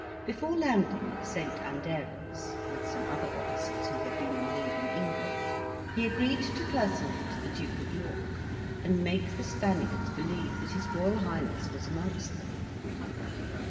Before landing at St. Andero's, with some other officers who had been on leave in England, he agreed to personate the Duke of York, and make the Spaniards believe that his Royal Highness was amongst them.